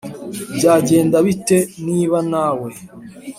Byagenda bite niba nawe